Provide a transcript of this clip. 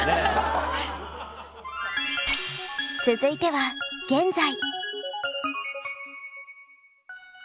続いては現在。